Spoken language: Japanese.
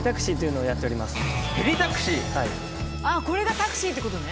あっこれがタクシーってことね。